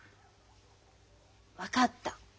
分かった。